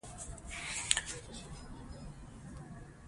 پښتو ژبه به زموږ په دې لاره کې رڼا وي.